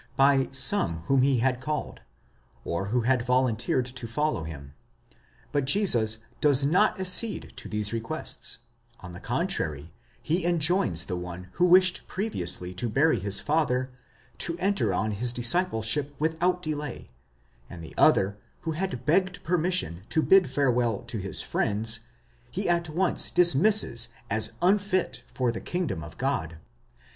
2 f.) by some whom he had called, or who had volunteered to follow him ; but Jesus does not accede to these requests : on the contrary, he enjoins the one who wished previously to bury his father, to enter on his dis cipleship without delay ; and the other, who had begged permission to bid farewell to his friends, he at once dismisses as unfit for the kingdom of God.